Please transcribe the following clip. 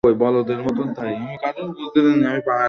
কিন্তু বিড়ালরা মাটি খোঁড়ে না।